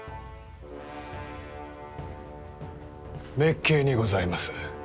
滅敬にございます。